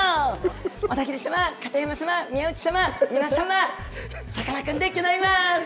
小田切様、片山様、宮内様、皆様、さかなクンでギョざいます。